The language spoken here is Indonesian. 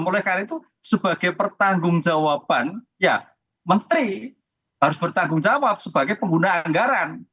oleh karena itu sebagai pertanggung jawaban ya menteri harus bertanggung jawab sebagai pengguna anggaran